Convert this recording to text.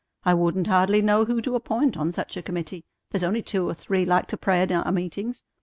"I wouldn't hardly know who to appoint on such a committee. There's only two or three like to pray in our meetings.